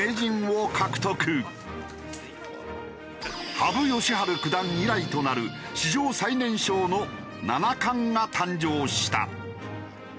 羽生善治九段以来となる史上最年少の七冠が誕生した。